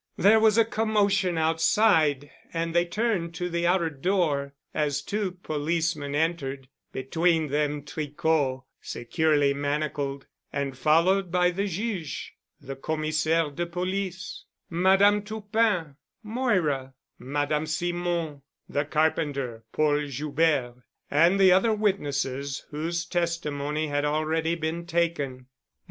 There was a commotion outside and they turned to the outer door, as two policemen entered, between them Tricot, securely manacled, and followed by the Juge, the Commissaire de Police, Madame Toupin, Moira, Madame Simon, the carpenter, Paul Joubert, and the other witnesses whose testimony had already been taken.